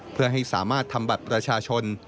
เพื่อให้สามารถทำบัตรประชาชน